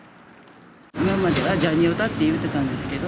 今まではジャニオタって言うてたんですけど。